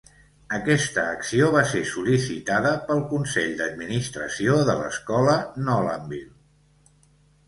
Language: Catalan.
Aquesta acció va ser sol·licitada pel Consell d'administració de l'escola Nolanville.